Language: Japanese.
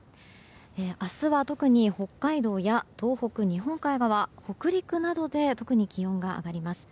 明日は特に北海道や東北日本海側北陸などで特に気温が上がります。